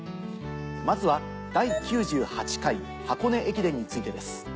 まずは第９８回箱根駅伝についてです。